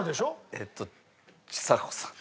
えっとちさ子さん。